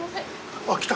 あっ来た。